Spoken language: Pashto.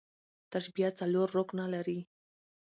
تشبیه څلور رکنه لري.